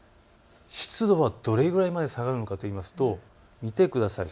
湿度はどれぐらいまで下がるかといいますと見てください。